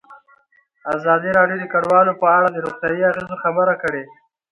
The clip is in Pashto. ازادي راډیو د کډوال په اړه د روغتیایي اغېزو خبره کړې.